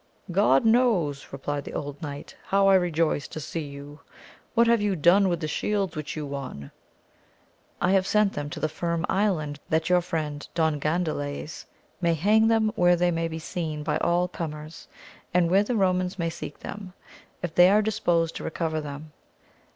God knows, replied the old knight, how I rejoice to see you. What have you done with the shields which you won ?— I have sent them to the Firm Island, that your friend Don Gandales may hang them where they may be seen by all comers, and where the Eomans may seek them, if they are disposed to recover them.